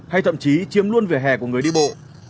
hay thậm chí chiếm luôn vỉa hè của người đi bộ